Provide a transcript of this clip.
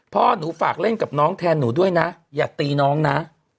พ่อหนูฝากเล่นกับน้องแทนหนูด้วยนะอย่าตีน้องนะ